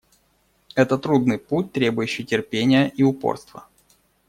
Это трудный путь, требующий терпения и упорства.